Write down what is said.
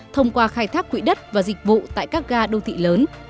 thông qua khai thác quỹ đất và dịch vụ tại các ga đô thị lớn